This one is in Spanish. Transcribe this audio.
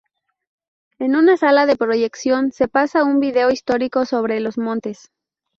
En una sala de proyección se pasa un vídeo histórico sobre los montes.